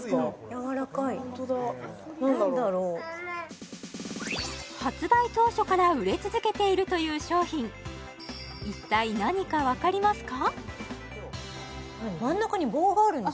やわらかいホントだ発売当初から売れ続けているという商品一体何かわかりますか？